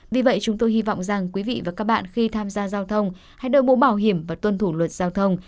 vì vậy chúng tôi hy vọng rằng quý vị và các bạn khi tham gia giao thông hãy đổi mũ bảo hiểm và tuân thủ luật giao thông